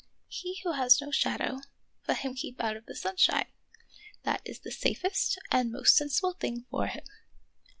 He who has no shadow, let him keep out of the sunshine ; that is the safest and most sensible thing for him."